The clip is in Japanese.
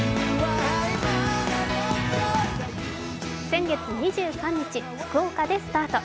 先月２３日、福岡でスタート